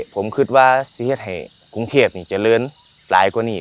ผมคิดว่าจะให้กรุงเทพนี่เจริญหลายคนอีก